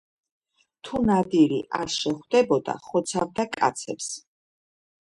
თუ ნადირი არ შეხვდებოდა, ხოცავდა კაცებს.